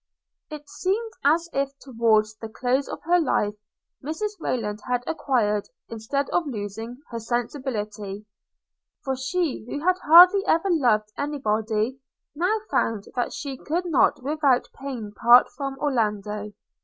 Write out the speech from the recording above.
It seemed as if towards the close of her life Mrs Rayland had acquired, instead of losing, her sensibility; for she who had hardly ever loved any body, now found that she could not without pain part from Orlando.